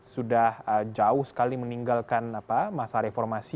sudah jauh sekali meninggalkan masa reformasi